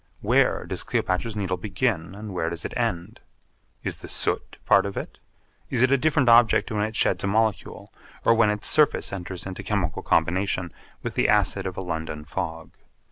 Where does Cleopatra's Needle begin and where does it end? Is the soot part of it? Is it a different object when it sheds a molecule or when its surface enters into chemical combination with the acid of a London fog?